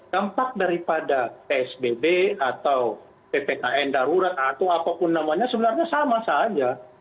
dampak daripada psbb atau ppkm darurat atau apapun namanya sebenarnya sama saja